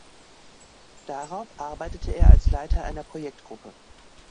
Darauf arbeitete er als Leiter einer Projektgruppe.